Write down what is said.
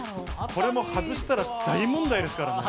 これも外したら大問題ですからね。